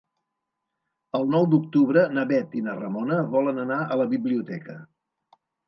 El nou d'octubre na Bet i na Ramona volen anar a la biblioteca.